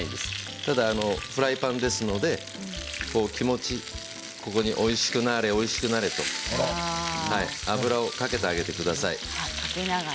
ただフライパンですので気持ち、ここにおいしくなあれおいしくなあれと油をかけてあげてください。